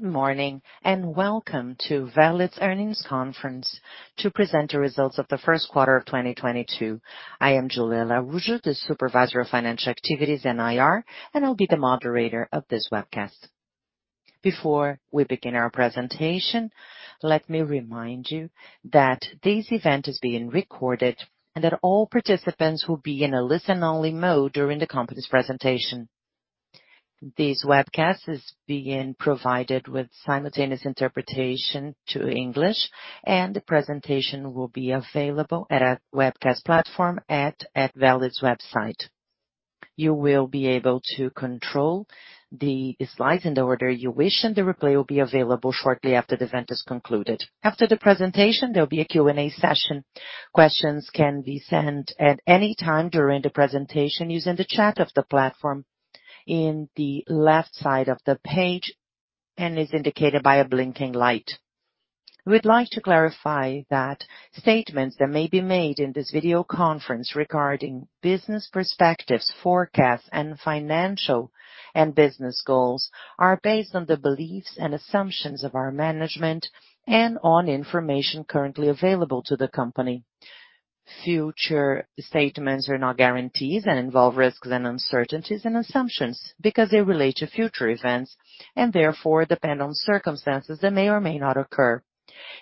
Good morning, and welcome to Valid's Earnings Conference to present the results of the first quarter of 2022. I am Julia Araujo, Supervisor of Financial Activities and Investor Relations, and I'll be the moderator of this webcast. Before we begin our presentation, let me remind you that this event is being recorded and that all participants will be in a listen-only mode during the company's presentation. This webcast is being provided with simultaneous interpretation to English, and the presentation will be available at our webcast platform at Valid's website. You will be able to control the slides in the order you wish, and the replay will be available shortly after the event is concluded. After the presentation, there'll be a Q&A session. Questions can be sent at any time during the presentation using the chat of the platform in the left side of the page, and it's indicated by a blinking light. We'd like to clarify that statements that may be made in this video conference regarding business perspectives, forecasts, and financial and business goals are based on the beliefs and assumptions of our management and on information currently available to the company. Future statements are not guarantees and involve risks and uncertainties and assumptions because they relate to future events, and therefore depend on circumstances that may or may not occur.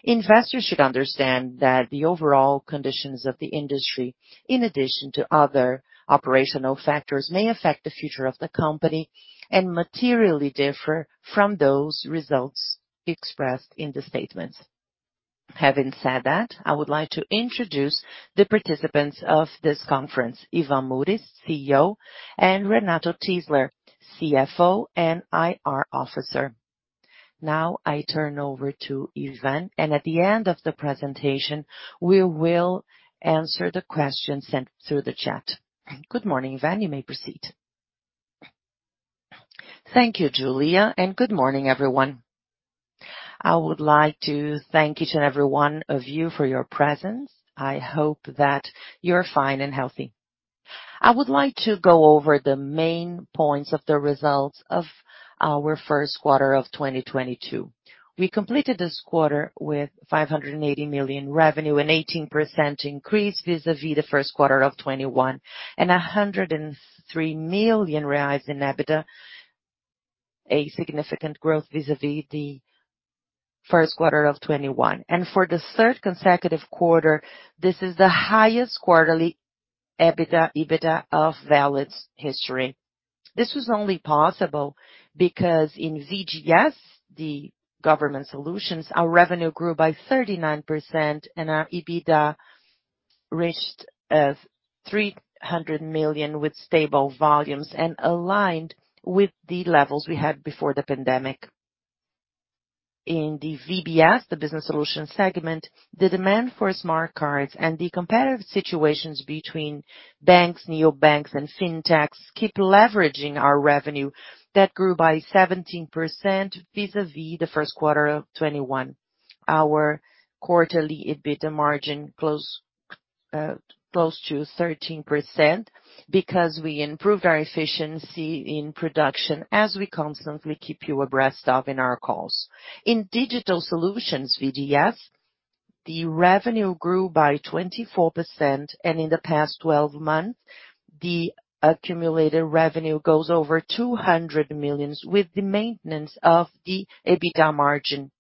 Investors should understand that the overall conditions of the industry, in addition to other operational factors, may affect the future of the company and materially differ from those results expressed in the statements. Having said that, I would like to introduce the participants of this conference. Ivan Murias, Chief Executive Officer, and Renato Tyszler, Chief Financial Officer and Investor Relations Officer. Now I turn over to Ivan, and at the end of the presentation, we will answer the questions sent through the chat. Good morning, Ivan. You may proceed. Thank you, Julia, and good morning, everyone. I would like to thank each and every one of you for your presence. I hope that you're fine and healthy. I would like to go over the main points of the results of our first quarter of 2022. We completed this quarter with 580 million revenue, an 18% increase vis-à-vis the first quarter of 2021, and 103 million reais in EBITDA, a significant growth vis-à-vis the first quarter of 2021. For the third consecutive quarter, this is the highest quarterly EBITDA of Valid's history. This was only possible because in VGS, the Government Solutions, our revenue grew by 39% and our EBITDA reached 300 million with stable volumes and aligned with the levels we had before the pandemic. In the VBS, the Business Solutions segment, the demand for smart cards and the competitive situations between banks, neobanks and fintechs keep leveraging our revenue that grew by 17% vis-a-vis the first quarter of 2021. Our quarterly EBITDA margin close to 13% because we improved our efficiency in production as we constantly keep you abreast of in our calls. In Digital Solutions, VDS, the revenue grew by 24%, and in the past twelve months, the accumulated revenue goes over 200 million with the maintenance of the EBITDA margin.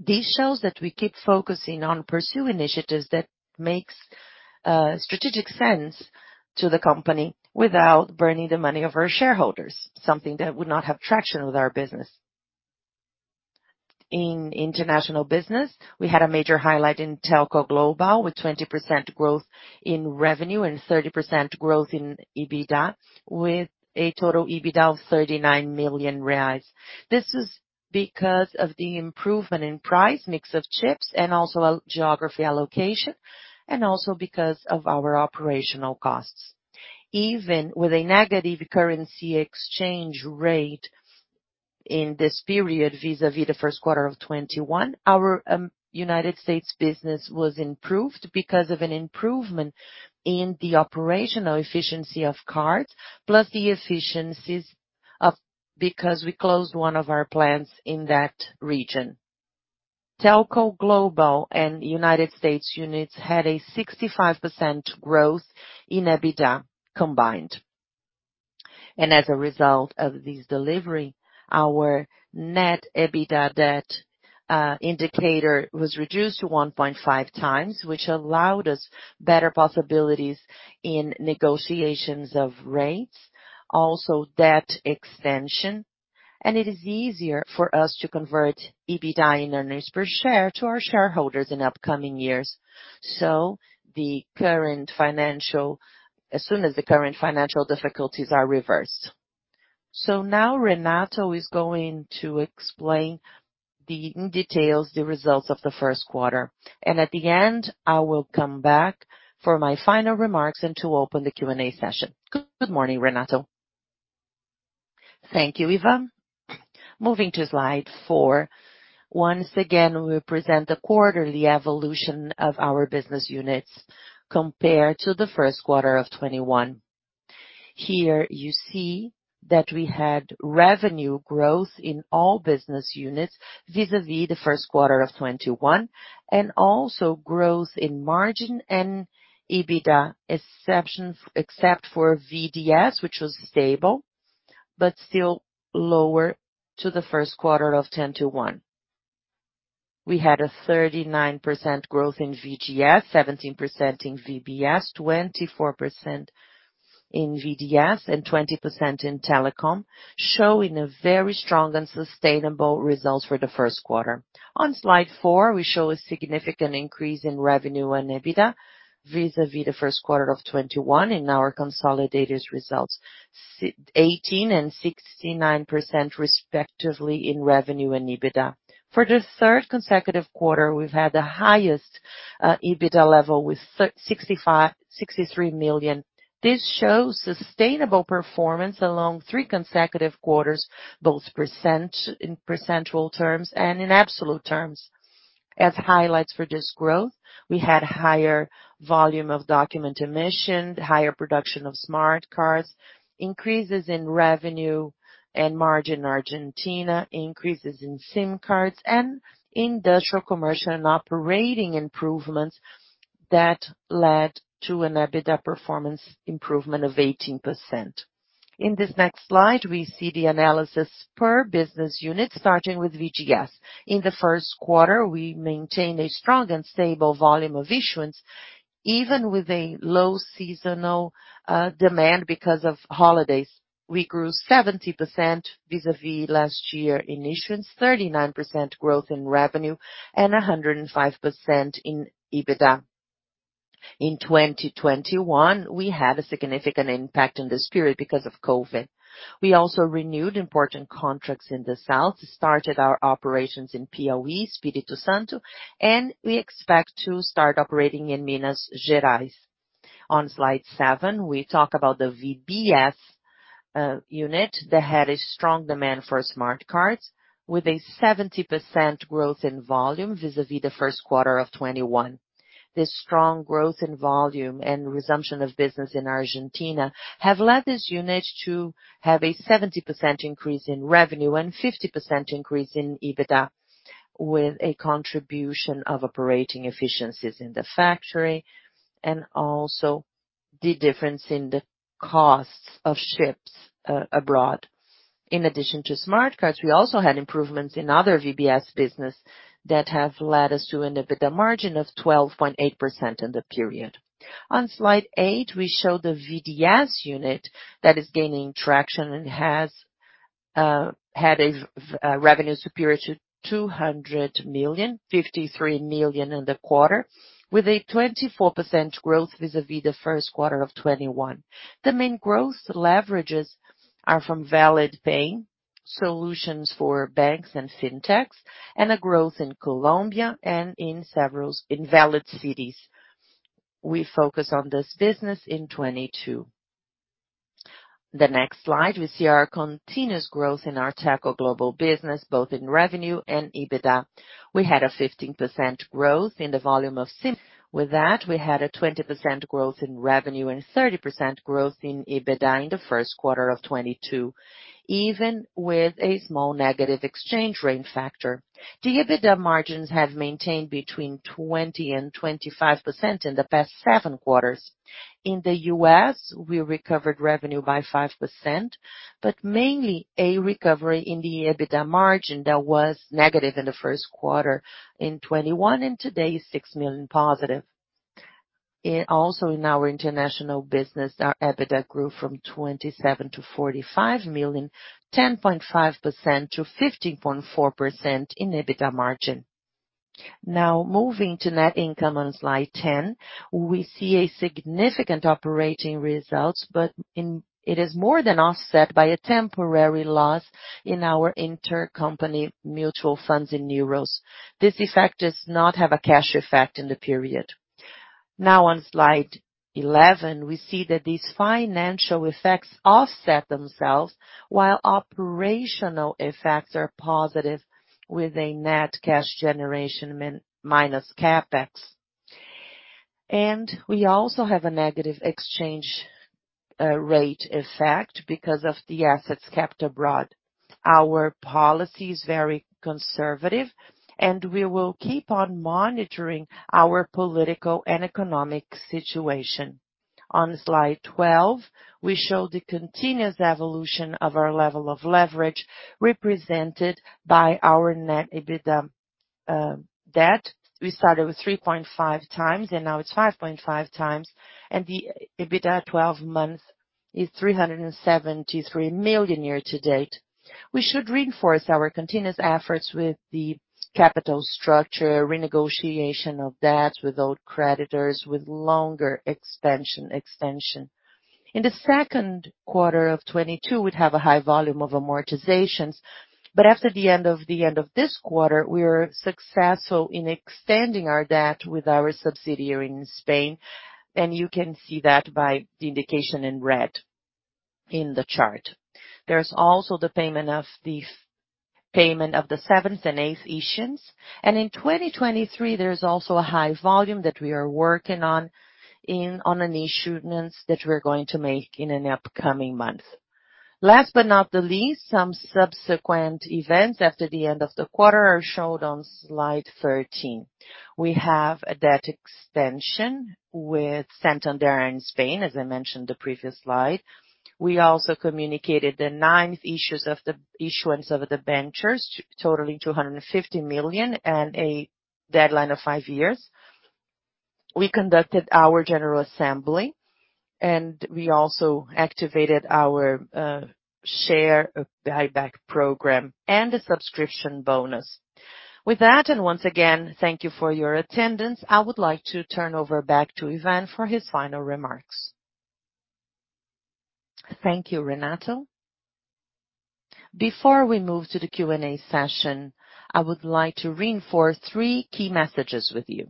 This shows that we keep focusing on pursue initiatives that makes strategic sense to the company without burning the money of our shareholders, something that would not have traction with our business. In International Business, we had a major highlight in Telco Global with 20% growth in revenue and 30% growth in EBITDA, with a total EBITDA of 39 million reais. This is because of the improvement in price mix of chips and also geography allocation, and also because of our operational costs. Even with a negative currency exchange rate in this period vis-a-vis the first quarter of 2021, our United States business was improved because of an improvement in the operational efficiency of cards, because we closed one of our plants in that region. Telco Global and United States units had a 65% growth in EBITDA combined. As a result of this delivery, our net debt/EBITDA indicator was reduced to 1.5x, which allowed us better possibilities in negotiations of rates, also debt extension. It is easier for us to convert EBITDA in earnings per share to our shareholders in upcoming years. As soon as the current financial difficulties are reversed. Now Renato is going to explain the details, the results of the first quarter. At the end, I will come back for my final remarks and to open the Q&A session. Good morning, Renato. Thank you, Ivan. Moving to slide four. Once again, we present the quarterly evolution of our business units compared to the first quarter of 2021. Here you see that we had revenue growth in all business units vis-a-vis the first quarter of 2021, and also growth in margin and EBITDA, except for VDS, which was stable but still lower than the first quarter of 2021. We had a 39% growth in VGS, 17% in VBS, 24% in VDS, and 20% in telecom, showing a very strong and sustainable results for the first quarter. On slide four, we show a significant increase in revenue and EBITDA vis-a-vis the first quarter of 2021 in our consolidated results, 18% and 69% respectively in revenue and EBITDA. For the third consecutive quarter, we've had the highest EBITDA level with R$ 30 million. This shows sustainable performance along three consecutive quarters, both in percentage terms and in absolute terms. As highlights for this growth, we had higher volume of document emission, higher production of smart cards, increases in revenue and margin in Argentina, increases in SIM cards and industrial commercial and operating improvements that led to an EBITDA performance improvement of 18%. In this next slide, we see the analysis per business unit, starting with VGS. In the first quarter, we maintained a strong and stable volume of issuance, even with a low seasonal demand because of holidays. We grew 70% vis-a-vis last year in issuance, 39% growth in revenue, and 105% in EBITDA. In 2021, we had a significant impact on this period because of COVID. We also renewed important contracts in the South, started our operations in POE, Espírito Santo, and we expect to start operating in Minas Gerais. On slide seven, we talk about the VBS unit that had a strong demand for smart cards with a 70% growth in volume vis-à-vis the first quarter of 2021. This strong growth in volume and resumption of business in Argentina have led this unit to have a 70% increase in revenue and 50% increase in EBITDA, with a contribution of operating efficiencies in the factory and also the difference in the costs of chips abroad. In addition to smart cards, we also had improvements in other VBS business that have led us to an EBITDA margin of 12.8% in the period. On slide eight, we show the VDS unit that is gaining traction and has had revenue superior to 253 million in the quarter, with a 24% growth vis-a-vis the first quarter of 2021. The main growth leverages are from Valid Pay solutions for banks and fintechs, and a growth in Colombia and in several Valid Cidades. We focus on this business in 2022. The next slide, we see our continuous growth in our Telco Global business, both in revenue and EBITDA. We had a 15% growth in the volume of SIM. With that, we had a 20% growth in revenue and 30% growth in EBITDA in the first quarter of 2022, even with a small negative exchange rate factor. The EBITDA margins have maintained between 20%-25% in the past seven quarters. In the US, we recovered revenue by 5%, but mainly a recovery in the EBITDA margin that was negative in the first quarter in 2021 and today is 6 million positive. Also in our international business, our EBITDA grew from 27 million-45 million, 10.5%-15.4% in EBITDA margin. Now moving to net income on Slide 10, we see a significant operating results, but it is more than offset by a temporary loss in our intercompany mutual funds in euros. This effect does not have a cash effect in the period. Now on Slide 11, we see that these financial effects offset themselves, while operational effects are positive, with a net cash generation minus CapEx. We also have a negative exchange rate effect because of the assets kept abroad. Our policy is very conservative, and we will keep on monitoring our political and economic situation. On Slide 12, we show the continuous evolution of our level of leverage represented by our net debt/EBITDA. We started with 3.5x, and now it's 5.5x, and the EBITDA twelve months is 373 million year to date. We should reinforce our continuous efforts with the capital structure, renegotiation of debts with old creditors with longer extension. In the second quarter of 2022, we'd have a high volume of amortizations, but after the end of this quarter, we were successful in extending our debt with our subsidiary in Spain, and you can see that by the indication in red in the chart. There's also the payment of the seventh and eighth issuance. In 2023, there's also a high volume that we are working on in, on an issuance that we're going to make in an upcoming month. Last but not the least, some subsequent events after the end of the quarter are shown on Slide 13. We have a debt extension with Santander in Spain, as I mentioned the previous slide. We also communicated the ninth issuance of the debentures totaling 250 million and a deadline of five years. We conducted our general assembly, and we also activated our share buyback program and a subscription bonus. With that, and once again, thank you for your attendance, I would like to turn over back to Ivan for his final remarks. Thank you, Renato. Before we move to the Q&A session, I would like to reinforce three key messages with you.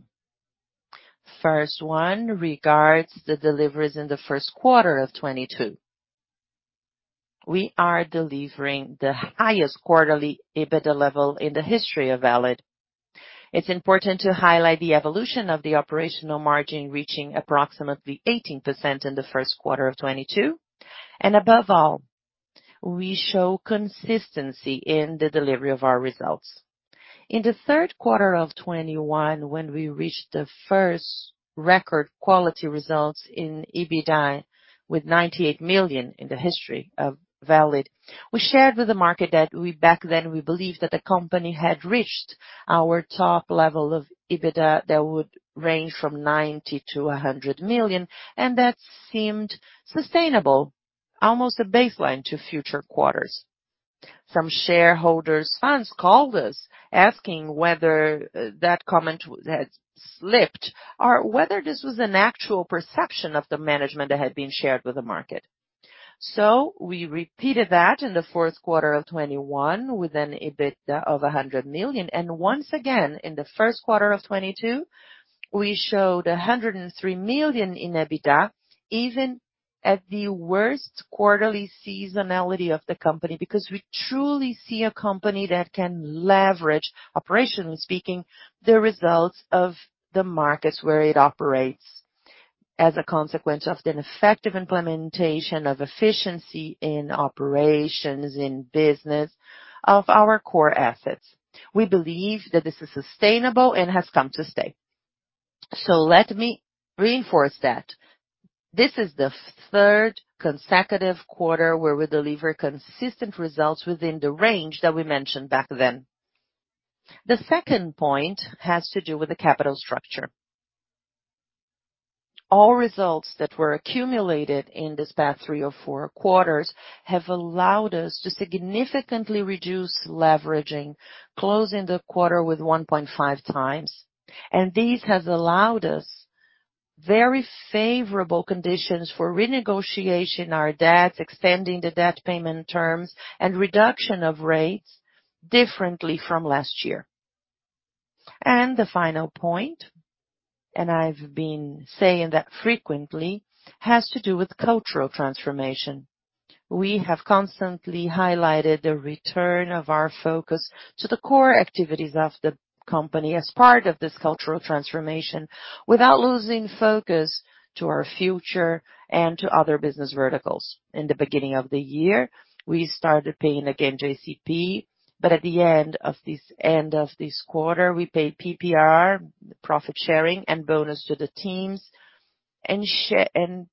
First one regards the deliveries in the first quarter of 2022. We are delivering the highest quarterly EBITDA level in the history of Valid. It's important to highlight the evolution of the operational margin reaching approximately 18% in the first quarter of 2022. Above all, we show consistency in the delivery of our results. In the third quarter of 2021, when we reached the first record quality results in EBITDA with 98 million in the history of Valid, we shared with the market that we back then believed that the company had reached our top level of EBITDA that would range from 90 million-100 million. That seemed sustainable, almost a baseline to future quarters. Some shareholders funds called us asking whether that comment had slipped or whether this was an actual perception of the management that had been shared with the market. We repeated that in the fourth quarter of 2021 with an EBITDA of 100 million. Once again, in the first quarter of 2022, we showed 103 million in EBITDA, even at the worst quarterly seasonality of the company. Because we truly see a company that can leverage, operationally speaking, the results of the markets where it operates as a consequence of an effective implementation of efficiency in operations, in business of our core assets. We believe that this is sustainable and has come to stay. Let me reinforce that this is the third consecutive quarter where we deliver consistent results within the range that we mentioned back then. The second point has to do with the capital structure. All results that were accumulated in this past three or four quarters have allowed us to significantly reduce leveraging, closing the quarter with 1.5x. This has allowed us very favorable conditions for renegotiating our debts, extending the debt payment terms, and reduction of rates differently from last year. The final point, and I've been saying that frequently, has to do with cultural transformation. We have constantly highlighted the return of our focus to the core activities of the company as part of this cultural transformation. Without losing focus to our future and to other business verticals. In the beginning of the year, we started paying again JCP, but at the end of this quarter, we paid PPR, profit sharing and bonus to the teams, and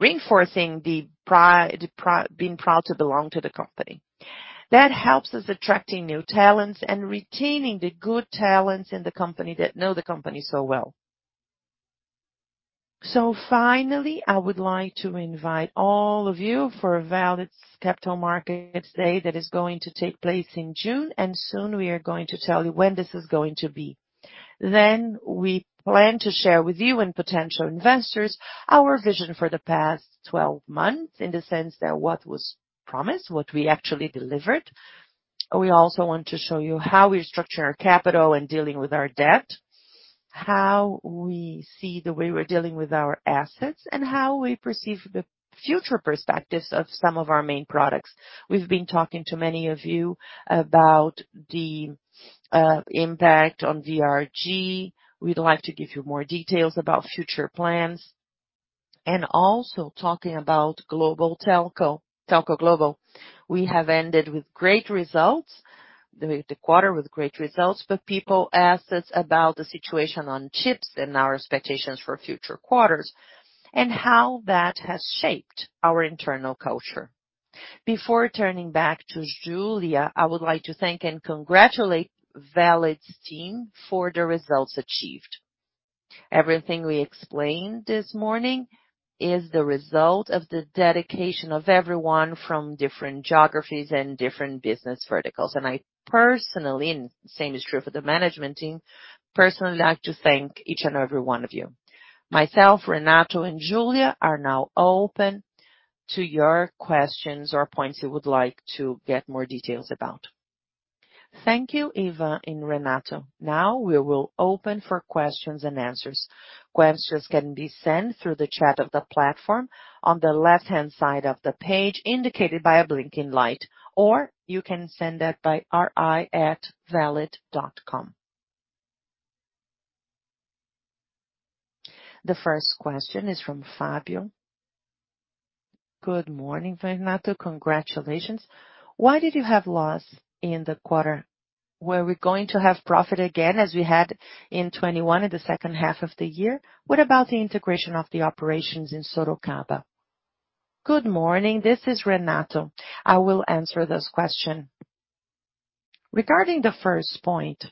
reinforcing the pride being proud to belong to the company. That helps us attracting new talents and retaining the good talents in the company that know the company so well. Finally, I would like to invite all of you for a Valid's Capital Markets Day that is going to take place in June. Soon we are going to tell you when this is going to be. We plan to share with you and potential investors our vision for the past twelve months in the sense that what was promised, what we actually delivered. We also want to show you how we structure our capital in dealing with our debt, how we see the way we're dealing with our assets, and how we perceive the future perspectives of some of our main products. We've been talking to many of you about the impact on VRG. We'd like to give you more details about future plans. Also talking about Telco Global. We have ended the quarter with great results, but people asked us about the situation on chips and our expectations for future quarters and how that has shaped our internal culture. Before turning back to Julia, I would like to thank and congratulate Valid's team for the results achieved. Everything we explained this morning is the result of the dedication of everyone from different geographies and different business verticals. I personally, and same is true for the management team, like to thank each and every one of you. Myself, Renato, and Julia are now open to your questions or points you would like to get more details about. Thank you, Ivan and Renato. Now we will open for questions and answers. Questions can be sent through the chat of the platform on the left-hand side of the page indicated by a blinking light, or you can send that by ri@valid.com. The first question is from Fabio. Good morning, Renato. Congratulations. Why did you have loss in the quarter? Were we going to have profit again, as we had in 2021 in the second half of the year? What about the integration of the operations in Sorocaba? Good morning. This is Renato. I will answer this question. Regarding the first point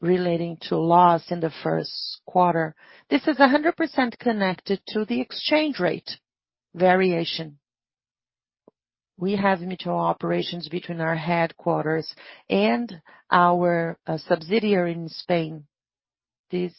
relating to loss in the first quarter, this is 100% connected to the exchange rate variation. We have mutual operations between our headquarters and our subsidiary in Spain. This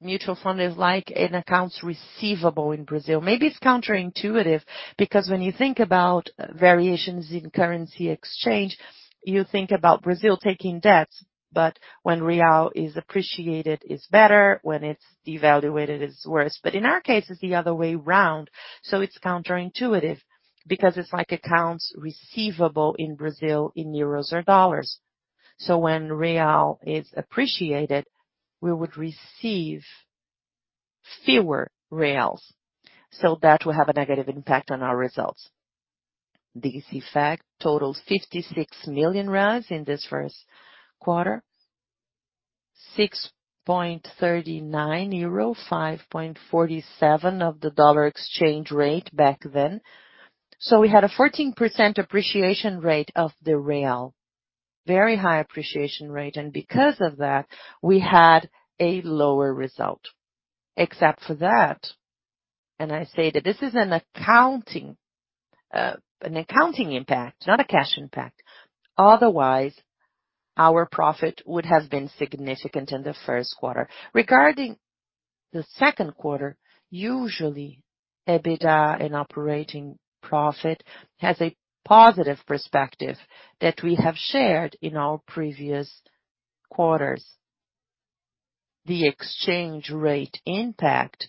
mutual fund is like an accounts receivable in Brazil. Maybe it's counterintuitive because when you think about variations in currency exchange, you think about Brazil taking debts, but when real is appreciated it's better, when it's devalued it's worse. In our case it's the other way round, so it's counterintuitive because it's like accounts receivable in Brazil in euros or dollars. When real is appreciated, we would receive fewer reals, so that will have a negative impact on our results. This effect totals 56 million in this first quarter. 6.39 euro, $5.47 of the dollar exchange rate back then. We had a 14% appreciation rate of the real. Very high appreciation rate, and because of that, we had a lower result. Except for that, I say that this is an accounting impact, not a cash impact, otherwise our profit would have been significant in the first quarter. Regarding the second quarter, usually EBITDA and operating profit has a positive perspective that we have shared in our previous quarters. The exchange rate impact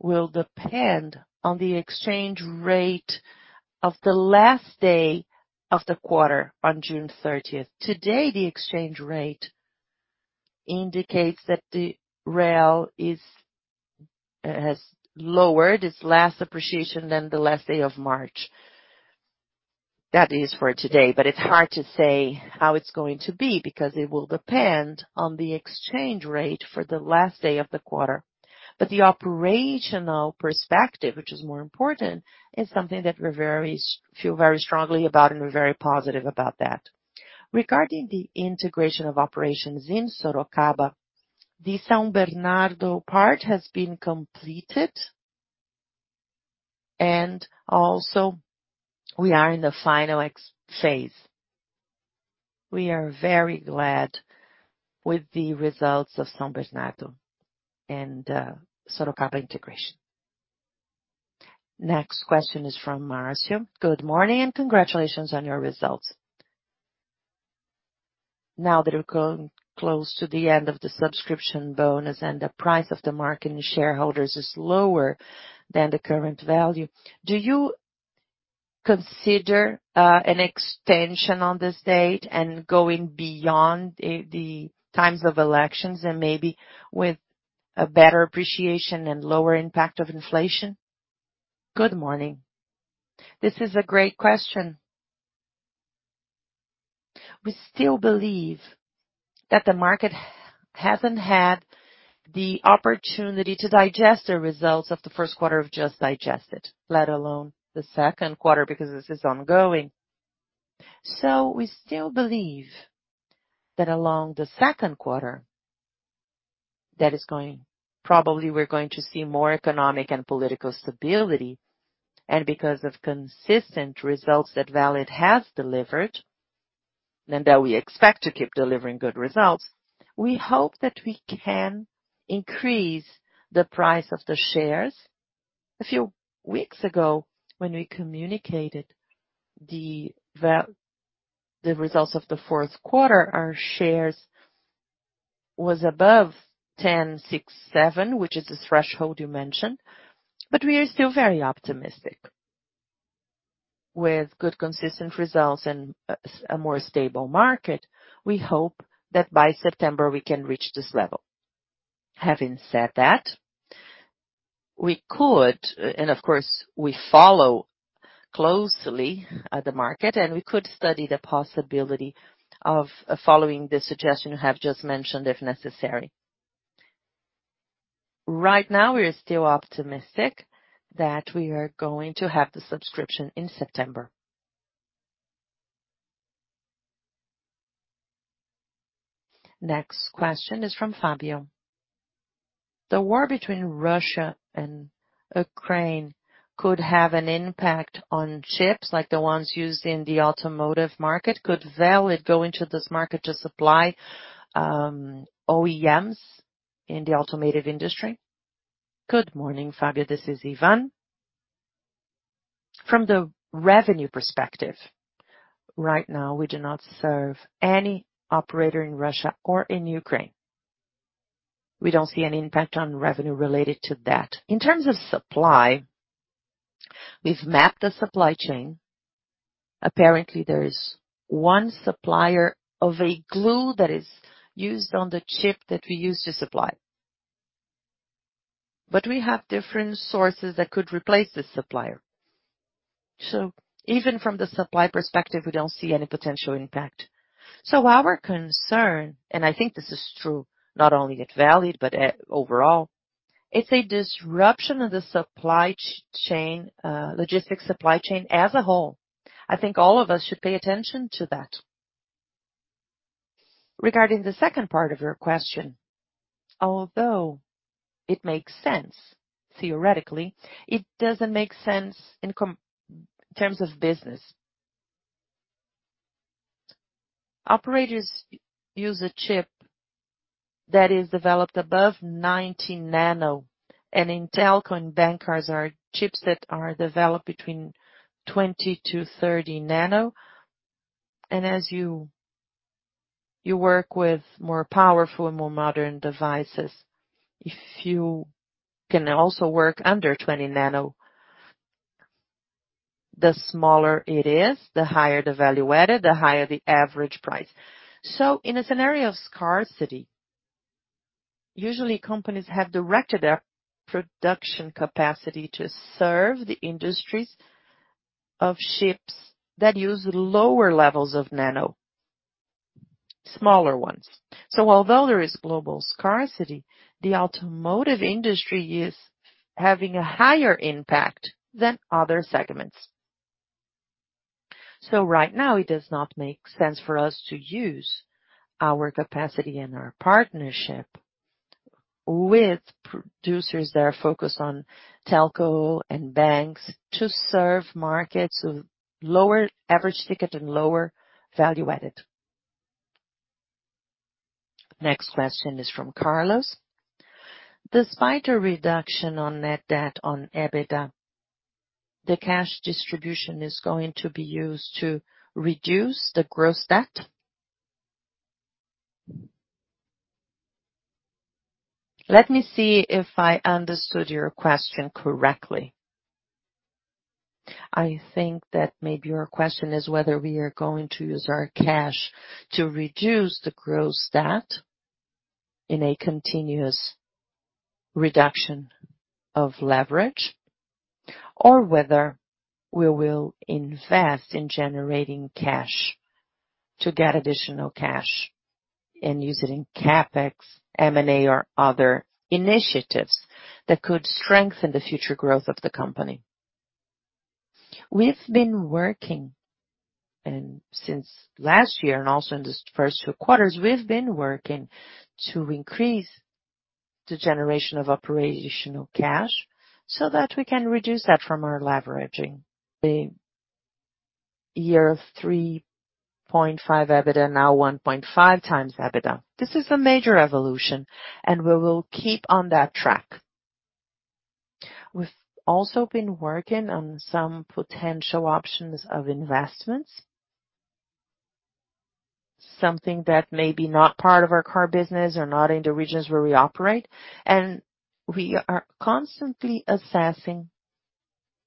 will depend on the exchange rate of the last day of the quarter on June thirtieth. Today, the exchange rate indicates that the real has lowered. It's less appreciation than the last day of March. That is for today, but it's hard to say how it's going to be because it will depend on the exchange rate for the last day of the quarter. The operational perspective, which is more important, is something that we feel very strongly about and we're very positive about that. Regarding the integration of operations in Sorocaba, the São Bernardo part has been completed and also we are in the final phase. We are very glad with the results of São Bernardo and Sorocaba integration. Next question is from Marcio. Good morning, and congratulations on your results. Now that we're close to the end of the subscription bonus and the price of the minority shareholders is lower than the current value, do you consider an extension on this date and going beyond the times of elections and maybe with a better appreciation and lower impact of inflation? Good morning. This is a great question. We still believe that the market hasn't had the opportunity to digest the results of the first quarter we've just digested, let alone the second quarter, because this is ongoing. We still believe that in the second quarter probably we're going to see more economic and political stability. Because of consistent results that Valid has delivered, and that we expect to keep delivering good results, we hope that we can increase the price of the shares. A few weeks ago, when we communicated the results of the fourth quarter, our shares was above 10.67, which is the threshold you mentioned, but we are still very optimistic. With good, consistent results and a more stable market, we hope that by September we can reach this level. Having said that, we could, and of course we follow closely the market and we could study the possibility of following the suggestion you have just mentioned, if necessary. Right now we are still optimistic that we are going to have the subscription in September. Next question is from Fabio. The war between Russia and Ukraine could have an impact on chips like the ones used in the automotive market. Could Valid go into this market to supply, OEMs in the automotive industry? Good morning, Fabio. This is Ivan. From the revenue perspective, right now we do not serve any operator in Russia or in Ukraine. We don't see any impact on revenue related to that. In terms of supply, we've mapped the supply chain. Apparently, there is one supplier of a glue that is used on the chip that we use to supply. But we have different sources that could replace the supplier. Even from the supply perspective, we don't see any potential impact. Our concern, and I think this is true not only at Valid, but overall, it's a disruption of the supply chain, logistics supply chain as a whole. I think all of us should pay attention to that. Regarding the second part of your question, although it makes sense theoretically, it doesn't make sense in terms of business. Operators use a chip that is developed above 90 nanometer, and in telco and bank cards are chips that are developed between 20 nanometer-30 nanometer. As you work with more powerful and more modern devices, if you can also work under 20 nanometer. The smaller it is, the higher the value added, the higher the average price. In a scenario of scarcity, usually companies have directed their production capacity to serve the industries of chips that use lower levels of nanometer, smaller ones. Although there is global scarcity, the automotive industry is having a higher impact than other segments. Right now it does not make sense for us to use our capacity and our partnership with producers that are focused on telco and banks to serve markets with lower average ticket and lower value added. Next question is from Carlos: Despite a reduction on net debt on EBITDA, the cash distribution is going to be used to reduce the gross debt? Let me see if I understood your question correctly. I think that maybe your question is whether we are going to use our cash to reduce the gross debt in a continuous reduction of leverage, or whether we will invest in generating cash to get additional cash and use it in CapEx, M&A, or other initiatives that could strengthen the future growth of the company. We've been working, and since last year and also in the first two quarters, we've been working to increase the generation of operational cash so that we can reduce that from our leveraging. We were 3.5x EBITDA, now 1.5x EBITDA. This is a major evolution, and we will keep on that track. We've also been working on some potential options of investments. Something that may be not part of our core business or not in the regions where we operate, and we are constantly assessing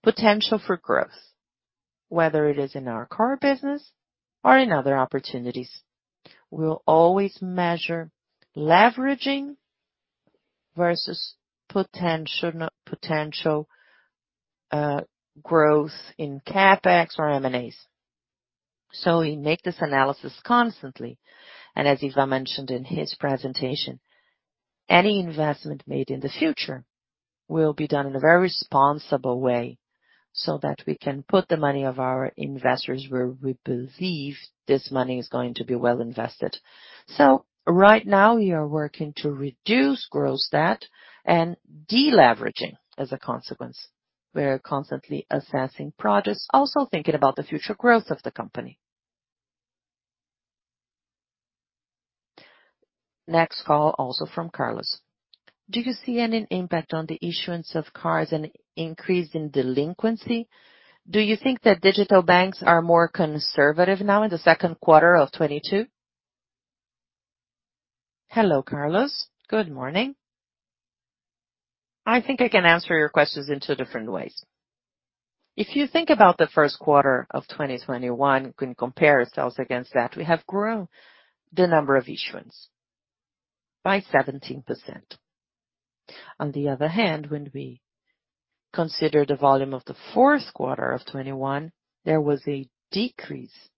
potential for growth, whether it is in our core business or in other opportunities. We'll always measure leveraging versus potential growth in CapEx or M&As. We make this analysis constantly, and as Ivan mentioned in his presentation, any investment made in the future will be done in a very responsible way so that we can put the money of our investors where we believe this money is going to be well invested. Right now we are working to reduce gross debt and deleveraging as a consequence. We are constantly assessing projects, also thinking about the future growth of the company. Next call, also from Carlos: Do you see any impact on the issuance of cards and increase in delinquency? Do you think that digital banks are more conservative now in the second quarter of 2022? Hello, Carlos. Good morning. I think I can answer your questions in two different ways. If you think about the first quarter of 2021, you can compare ourselves against that. We have grown the number of issuance by 17%. On the other hand, when we consider the volume of the fourth quarter of 2021, there was a decrease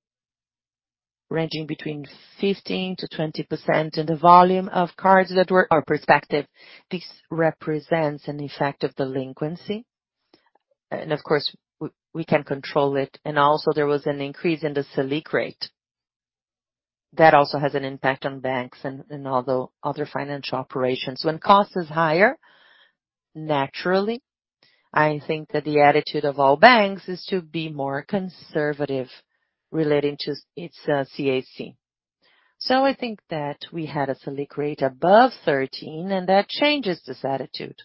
ranging between 15%-20% in the volume of cards that were our perspective. This represents an effect of delinquency, and of course, we can control it. There was an increase in the Selic rate. That also has an impact on banks and other financial operations. When cost is higher, naturally, I think that the attitude of all banks is to be more conservative relating to its CAC. So I think that we had a Selic rate above 13%, and that changes this attitude.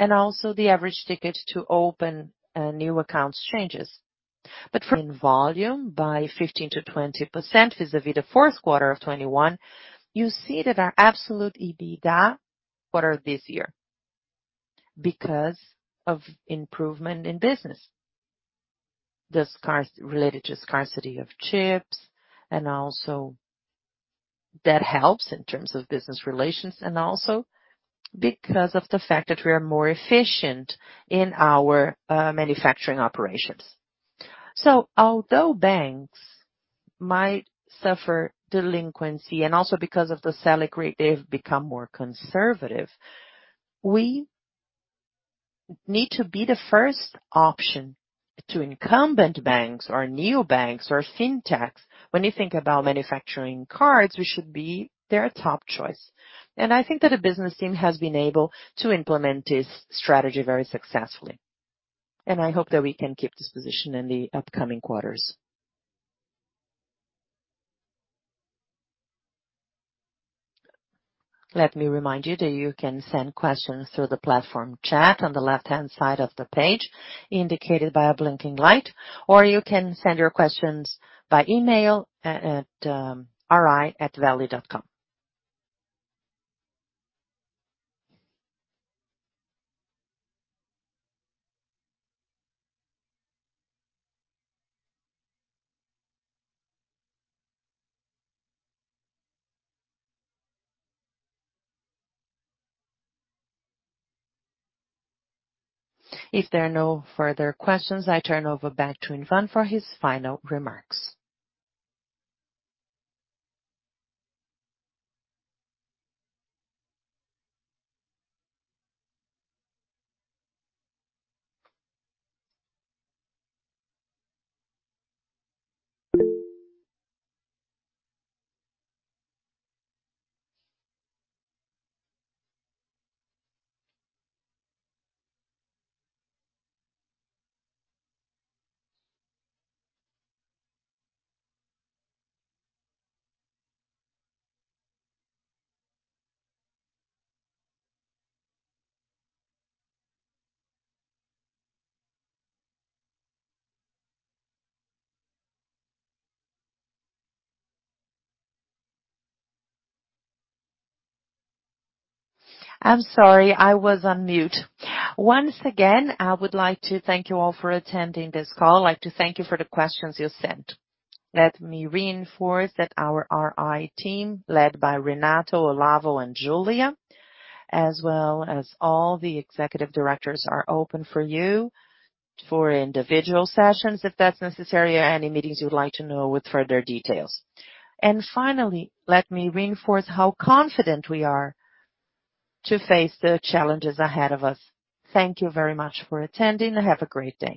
The average ticket to open new accounts changes. From volume by 15%-20% vis-à-vis the fourth quarter of 2021, you see that our absolute EBITDA quarter this year because of improvement in business. Related to scarcity of chips, and also that helps in terms of business relations and also because of the fact that we are more efficient in our manufacturing operations. Although banks might suffer delinquency and also because of the Selic rate, they've become more conservative. We need to be the first option to incumbent banks or neobanks or fintechs. When you think about manufacturing cards, we should be their top choice. I think that the business team has been able to implement this strategy very successfully. I hope that we can keep this position in the upcoming quarters. Let me remind you that you can send questions through the platform chat on the left-hand side of the page indicated by a blinking light, or you can send your questions by email at ri@valid.com. If there are no further questions, I turn over back to Ivan for his final remarks. I'm sorry. I was on mute. Once again, I would like to thank you all for attending this call. I'd like to thank you for the questions you sent. Let me reinforce that our RI team, led by Renato, Olavo, and Julia, as well as all the executive directors are open for you for individual sessions if that's necessary, or any meetings you'd like to know with further details. Finally, let me reinforce how confident we are to face the challenges ahead of us. Thank you very much for attending. Have a great day.